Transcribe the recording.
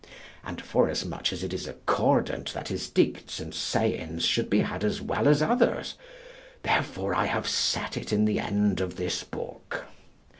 And forasmuch as it is accordant that his dictes and sayings should be had as well as others', therefore I have set it in the end of this book.